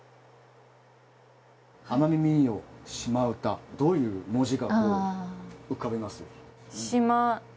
奄美民謡しまうたどういう文字が浮かびます？